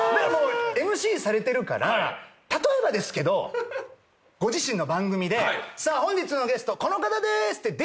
⁉ＭＣされてるから例えばですけどご自身の番組でさあ本日のゲストこの方でーすって。